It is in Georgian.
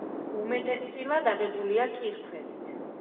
უმეტესწილად აგებულია კირქვებით.